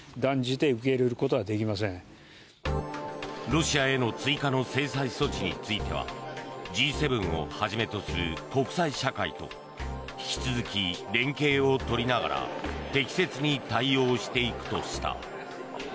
ロシアへの追加の制裁措置についてはＧ７をはじめとする国際社会と引き続き連携を取りながら適切に対応していくとした。